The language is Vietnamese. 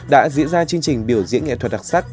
đã diễn ra chương trình biểu diễn nghệ thuật đặc sắc